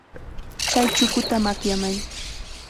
Chay chukuta makyamay.